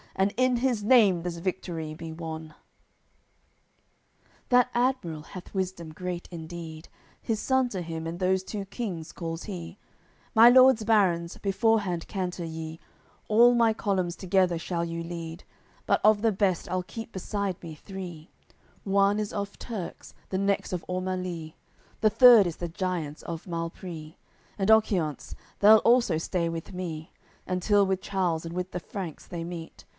And in his name this victory be won!" AOI. CCXXXVI That admiral hath wisdom great indeed; His son to him and those two kings calls he: My lords barons, beforehand canter ye, All my columns together shall you lead; But of the best I'll keep beside me three: One is of Turks; the next of Ormaleis; And the third is the Giants of Malpreis. And Occiant's, they'll also stay with me, Until with Charles and with the Franks they meet.